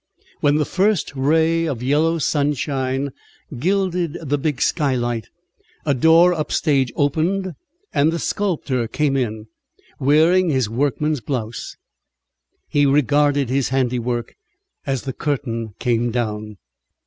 When the first ray of yellow sunshine gilded the big skylight, a door up stage opened and the sculptor came in, wearing his workman's blouse. He regarded his handiwork, as the curtain came down.